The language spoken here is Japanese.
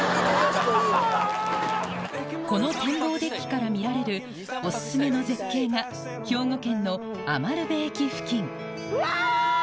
この展望デッキから見られるオススメの絶景が兵庫県の餘部駅付近うわ！